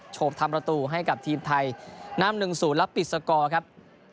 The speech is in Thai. โฉบทำประตูให้กับทีมไทยนำ๑๐แล้วปิดสกอร์ครับ